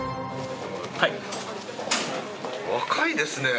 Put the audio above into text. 若いですね。